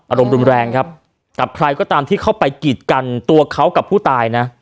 อารมณ์รุนแรงครับกับใครก็ตามที่เข้าไปกีดกันตัวเขากับผู้ตายนะ